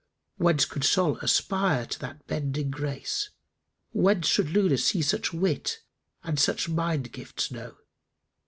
Whence could Sol aspire to that bending grace? * Whence should Luna see such wit and such mind gifts know?